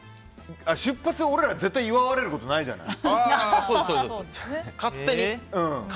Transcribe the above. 出発、俺らは絶対祝われることないじゃない。